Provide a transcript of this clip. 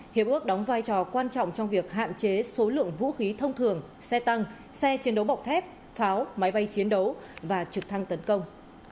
hiệp ước đóng vai trò quan trọng trong việc hạn chế số lượng vũ khí thông thường xe tăng xe chiến đấu bọc thép pháo máy bay chiến đấu và trực thăng tấn công